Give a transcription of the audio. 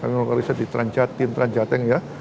kami melakukan riset di tranjating ya